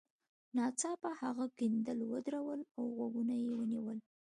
ناڅاپه هغه کیندل ودرول او غوږونه یې ونیول